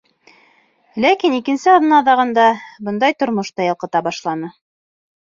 Ләкин икенсе аҙна аҙағында бындай тормош та ялҡыта башланы.